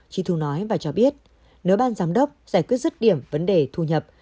chị thu nói và cho biết nếu ban giám đốc giải quyết rứt điểm vấn đề thu nhập